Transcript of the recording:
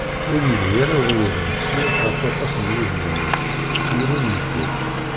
Ur yelhi ara uɛiwed n tefyirt ɣef waṭas n wudmawen, ttmullun medden.